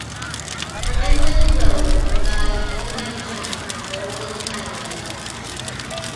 Denman Road provides a connection to the Golden Highway.